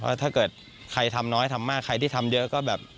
ถ้าเกิดใครทำน้อยทำมากใครที่ทำเยอะก็แบบ